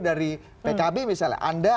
dari pkb misalnya anda